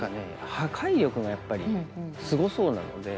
破壊力がやっぱりすごそうなので。